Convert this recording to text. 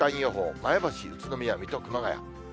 前橋、宇都宮、水戸、熊谷。